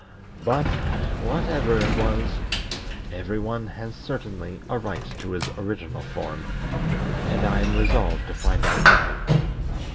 But, whatever it was, every one has certainly a right to his original form, and I am resolved to find out mine.